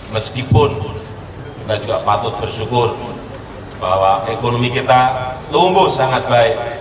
meskipun kita juga patut bersyukur bahwa ekonomi kita tumbuh sangat baik